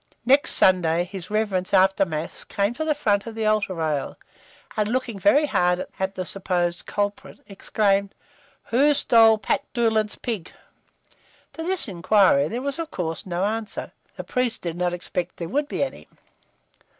Next Sunday his reverence, after mass, came to the front of the altar rails, and looking very hard at the supposed culprit, exclaimed, "Who stole Pat Doolan's pig?" To this inquiry there was of course no answer; the priest did not expect there would be any.